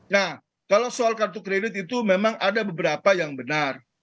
nah kalau soal kartu kredit itu memang ada beberapa yang benar